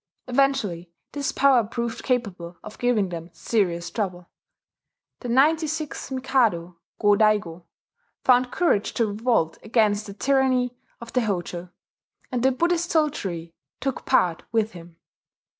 Eventually this power proved capable of giving them serious trouble. The ninety sixth Mikado, Go Daigo, found courage to revolt against the tyranny of the Hojo; and the Buddhist soldiery took part with him.